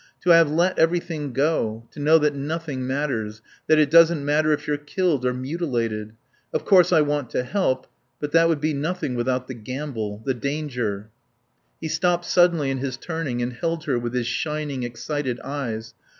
To have let everything go, to know that nothing matters, that it doesn't matter if you're killed, or mutilated ... Of course I want to help, but that would be nothing without the gamble. The danger." He stopped suddenly in his turning and held her with his shining, excited eyes.